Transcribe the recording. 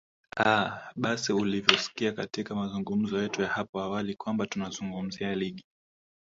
aa basi kama ulivyosikia katika mazungumzo yetu ya hapo awali kwamba tunazungumzia ligi